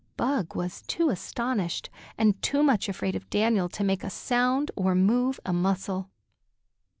Bug was too astonished and too much afraid of Daniel to make a sound or move a muscle.